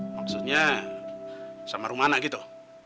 maksudnya sama rumana gitu